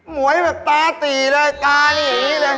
หวยแบบตาตีเลยตายอย่างนี้เลย